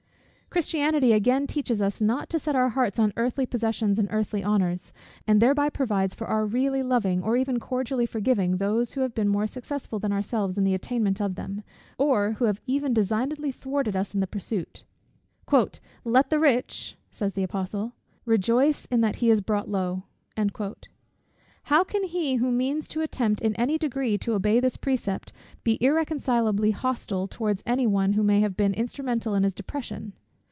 Christianity, again, teaches us not to set our hearts on earthly possessions and earthly honours; and thereby provides for our really loving, or even cordially forgiving, those who have been more successful than ourselves in the attainment of them, or who have even designedly thwarted us in the pursuit. "Let the rich," says the Apostle, "rejoice in that he is brought low." How can he who means to attempt, in any degree, to obey this precept, be irreconcilably hostile towards any one who may have been instrumental in his depression?